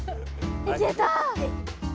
いけた！